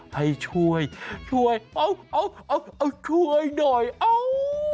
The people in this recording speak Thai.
ให้ช่วยช่วยเอาช่วยหน่อยเอา